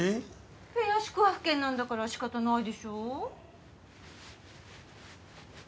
ペア宿泊券なんだから仕方ないでしょ？